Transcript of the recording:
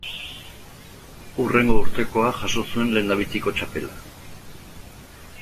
Hurrengo urtekoa jaso zuen lehendabiziko txapela.